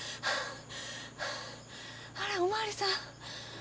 あれおまわりさん。